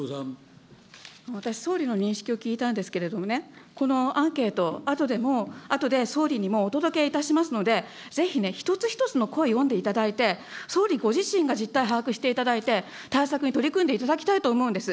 私、総理の認識を聞いたんですけれどもね、このアンケート、あとで総理にもお届けいたしますので、ぜひね、一つ一つの声読んでいただいて、総理ご自身が実態を把握していただいて、対策に取り組んでいただきたいと思うんです。